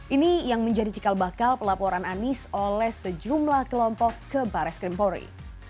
ini yang menjadi cikal bakal pelaporan anies oleh sejumlah kelompok ke baris krimpori